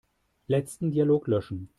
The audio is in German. Letzten Dialog löschen.